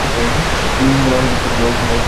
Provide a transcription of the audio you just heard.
না, ওর জন্যে খাবার বলে দিই গে।